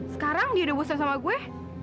sekarang dia udah bosen sama gue